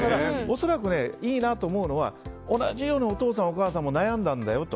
恐らくいいなと思うのは同じようにお母さんも悩んだんだよって。